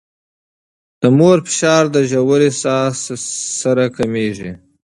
د مور فشار د ژورې ساه سره کمېږي.